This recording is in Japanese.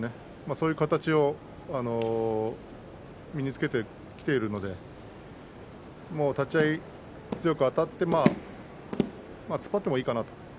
そういう形を身につけてきているので立ち合い強くあたって突っ張ってもいいかなと。